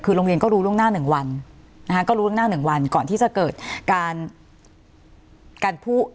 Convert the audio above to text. คือโรงเรียนก็รู้ล่วงหน้าหนึ่งวันนะคะก็รู้ล่วงหน้าหนึ่งวันก่อนที่จะเกิดการการพูด